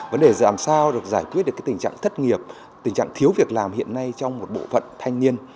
vấn đề làm sao được giải quyết được tình trạng thất nghiệp tình trạng thiếu việc làm hiện nay trong một bộ phận thanh niên